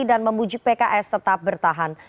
dan membujuk pks tetap bertahan